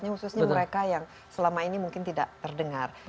khususnya mereka yang selama ini mungkin tidak terdengar